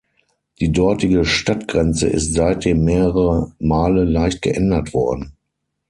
Die dortige Stadtgrenze ist seitdem mehrere Male leicht geändert worden.